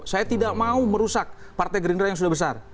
saya tidak mau merusak partai gerindra yang sudah besar